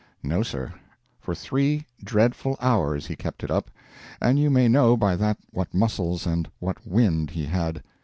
No, sir. For three dreadful hours he kept it up—and you may know by that what muscles and what wind he had.